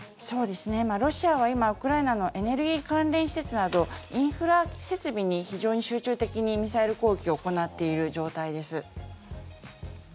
ロシアは今、ウクライナのエネルギー関連施設などインフラ設備に非常に集中的にミサイル攻撃を行っている状態です。